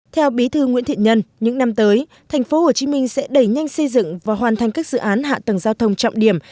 theo bí thư nguyễn thị nhân những năm tới thành phố hồ chí minh sẽ đẩy nhanh xây dựng và hoàn thành các dự án hạ tầng giao thông trọng điểm